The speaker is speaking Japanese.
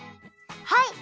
はい！